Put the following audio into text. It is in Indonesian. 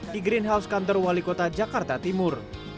di greenhouse kantor wali kota jakarta timur